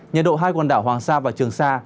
nhiệt độ hai quần đảo hoàng sa và trường sa